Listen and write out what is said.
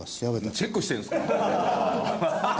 チェックしてるんですか？